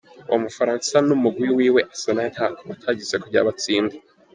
Uwo mufaransa n'umugwi wiwe wa Arsenal nta ko batagize kugira batsinde.